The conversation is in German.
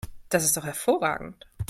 Das ist doch hervorragend!